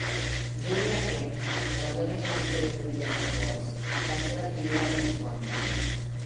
Julia Kent, aleshores editora de Village Voice, va ser la primera a respondre.